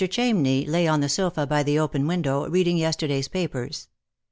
Cham ney lay on the sofa by the open window, reading yesterday's papers.